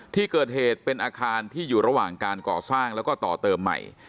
ที่เกิดเหตุเป็นอาคารที่อยู่ระหว่างการก่อสร้างแล้วก็ต่อเติมใหม่